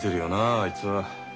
あいつは。